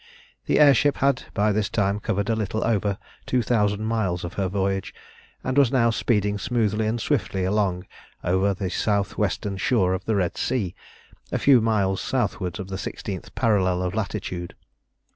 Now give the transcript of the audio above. The air ship had by this time covered a little over 2000 miles of her voyage, and was now speeding smoothly and swiftly along over the south western shore of the Red Sea, a few miles southward of the sixteenth parallel of latitude.